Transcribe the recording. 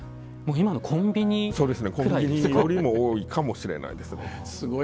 今のコンビニよりも多いかもしれないです。